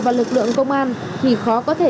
vào lực lượng công an thì khó có thể